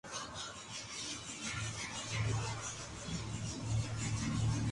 Cala y Pintado no son gestionados por la empresa.